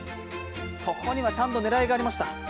そこにはちゃんと狙いがありました。